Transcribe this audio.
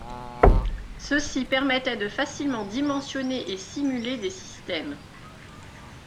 Ceci permettait de facilement dimensionner et simuler des systèmes.